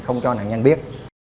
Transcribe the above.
không cho nạn nhân biết